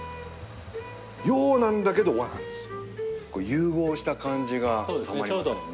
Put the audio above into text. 融合した感じがたまりませんね。